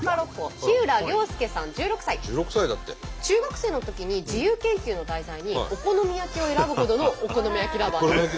１６歳だって。中学生のときに自由研究の題材に「お好み焼き」を選ぶほどのお好み焼きＬｏｖｅｒです。